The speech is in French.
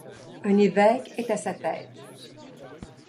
Un évêque est à sa tête.